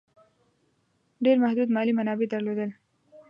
ډېر محدود مالي منابع درلودل.